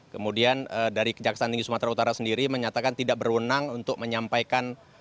kemudian dari kejaksaan tinggi sumatera utara sendiri menyatakan tidak berwenang untuk menyampaikan